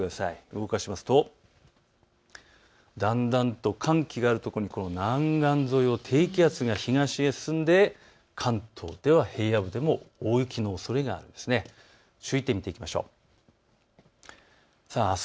動かすとだんだんと寒気がある所に南岸沿いを低気圧が東に進んで関東では平野部でも大雪のおそれがあるんです。